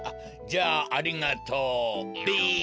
じゃあありがとうべ。